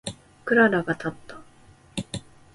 クララがたった。